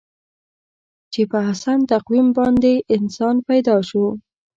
چې په احسن تقویم باندې انسان پیدا شو.